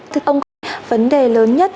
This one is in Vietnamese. thứ ông có vấn đề lớn nhất